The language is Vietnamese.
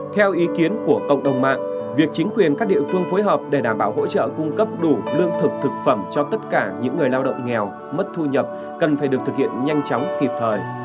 theo ý kiến của cộng đồng mạng việc chính quyền các địa phương phối hợp để đảm bảo hỗ trợ cung cấp đủ lương thực thực phẩm cho tất cả những người lao động nghèo mất thu nhập cần phải được thực hiện nhanh chóng kịp thời